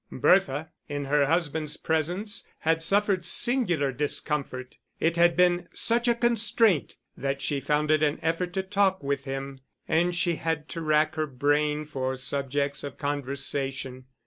Bertha, in her husband's presence, had suffered singular discomfort; it had been such a constraint that she found it an effort to talk with him, and she had to rack her brain for subjects of conversation.